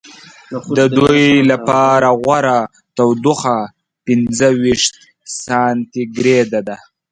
د دوی لپاره غوره تودوخه پنځه ویشت سانتي ګرېد ده.